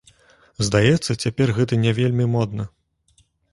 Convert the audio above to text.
Здаецца, цяпер гэта не вельмі модна.